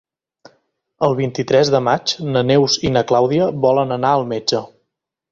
El vint-i-tres de maig na Neus i na Clàudia volen anar al metge.